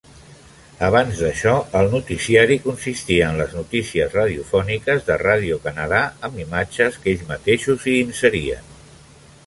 Abans d'això, el noticiari consistia en les notícies radiofòniques de Radio Canada amb imatges que ells mateixos hi inserien.